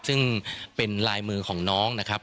ซึ่งเป็นลายมือของน้องนะครับ